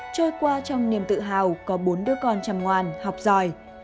trôi qua trong niềm tự hào có bốn đứa con chăm ngoan học giỏi